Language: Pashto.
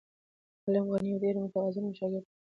معلم غني یو ډېر متواضع او شاکر انسان دی.